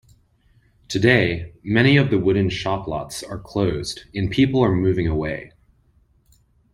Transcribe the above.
Today many of the wooden shoplots are closed and people are moving away.